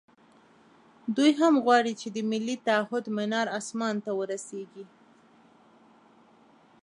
دوی هم غواړي چې د ملي تعهُد منار اسمان ته ورسېږي.